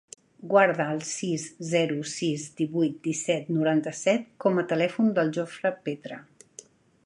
Guarda el sis, zero, sis, divuit, disset, noranta-set com a telèfon del Jofre Petre.